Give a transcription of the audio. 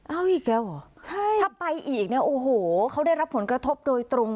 เอาอีกแล้วเหรอใช่ถ้าไปอีกเนี่ยโอ้โหเขาได้รับผลกระทบโดยตรง